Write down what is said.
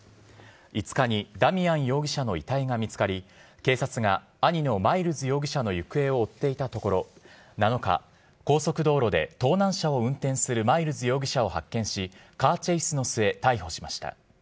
５日にダミアン容疑者の遺体が見つかり警察が兄のマイルズ容疑者の行方を追っていたところ７日、高速道路で盗難車を運転するマイルズ容疑者を発見しカーチェイスの末、逮捕しました。